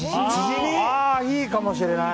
いいかもしれない。